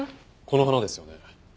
この花ですよね。